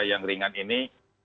yang ringan ini